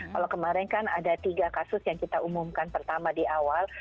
kalau kemarin kan ada tiga kasus yang kita umumkan pertama di awal